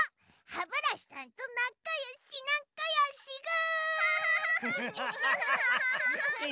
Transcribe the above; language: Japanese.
ハブラシさんとなかよしなかよしぐ！